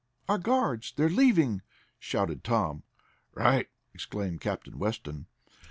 "Our guards! They're leaving!" shouted Tom. "Right!" exclaimed Captain Weston.